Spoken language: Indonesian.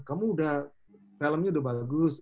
kamu udah filmnya udah bagus